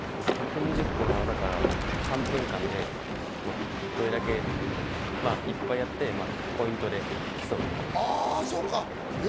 １２０個の技から３分間でどれだけいっぱいやって、ポイントで競うものです。